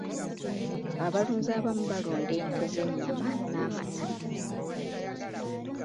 Abalunzi abamu balunda ente z'ennyama n'amata.